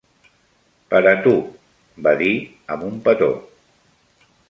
"Per a tu", va dir amb un petó.